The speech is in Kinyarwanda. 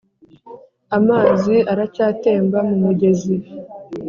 amazi aracyatemba mu mugezi